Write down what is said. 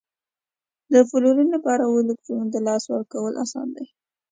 د فلورین لپاره اوو الکترونو د لاسه ورکول اسان دي؟